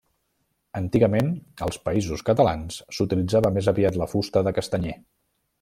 Antigament als Països Catalans s'utilitzava més aviat la fusta de castanyer.